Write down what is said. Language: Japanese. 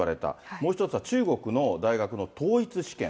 もう一つは中国の大学の統一試験。